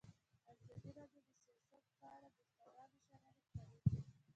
ازادي راډیو د سیاست په اړه د استادانو شننې خپرې کړي.